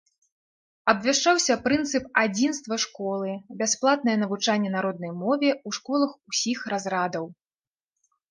Абвяшчаўся прынцып адзінства школы, бясплатнае навучанне на роднай мове ў школах усіх разрадаў.